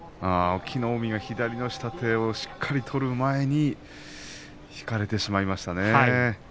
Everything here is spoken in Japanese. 隠岐の海左の下手をしっかり取る前に引かれてしまいましたね。